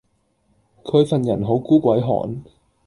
佢份人好孤鬼寒